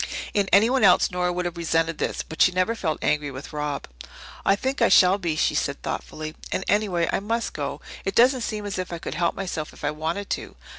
In anyone else Nora would have resented this. But she never felt angry with Rob. "I think I shall be," she said thoughtfully. "And, anyway, I must go. It doesn't seem as if I could help myself if I wanted to.